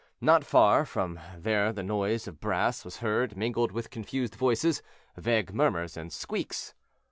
Not far from there the noise of brass was heard, mingled with confused voices, vague murmurs, and squeaks.